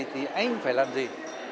thì anh phải làm gì